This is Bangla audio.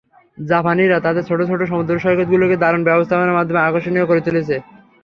জাপানিরা তাদের ছোট ছোট সমুদ্রসৈকতগুলোকে দারুণ ব্যবস্থাপনার মাধ্যমে আকর্ষণীয় করে তুলেছে।